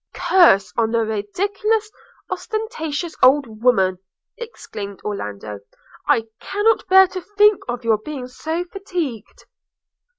'Curse on the ridiculous, ostentatious old woman!' exclaimed Orlando. 'I cannot bear to think of your being so fatigued!'